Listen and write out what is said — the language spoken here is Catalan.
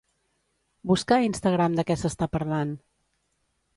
Busca a Instagram de què s'està parlant.